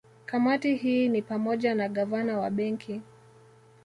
Kamati hii ni pamoja na Gavana wa Benki